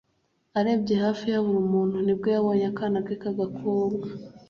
arebye hafi ye abura umuntu. ni bwo yabonye akana ke k'agakobwa